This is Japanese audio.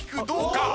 どうか？